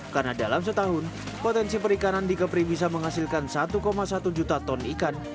karena dalam setahun potensi perikanan di kepri bisa menghasilkan satu satu juta ton ikan